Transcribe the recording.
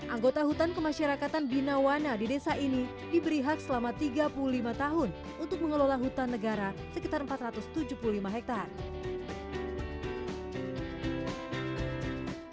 anggota hutan kemasyarakatan binawana di desa ini diberi hak selama tiga puluh lima tahun untuk mengelola hutan negara sekitar empat ratus tujuh puluh lima hektare